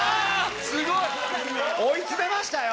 すごい。追い詰めましたよ。